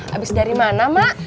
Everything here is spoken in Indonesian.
habis dari mana mak